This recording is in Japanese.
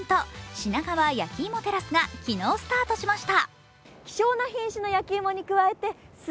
品川やきいもテラスが昨日スタートしました。